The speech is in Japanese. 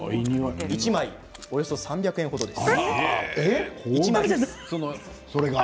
１枚およそ３００円程です。